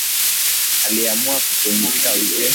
Aliamua kupumzika wikendi